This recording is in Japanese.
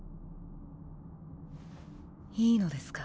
いいのですか？